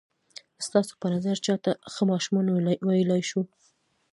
ستاسو په نظر چاته ښه ماشومان ویلای شو؟